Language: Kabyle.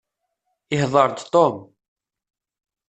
Ihḍeṛ-d Tom.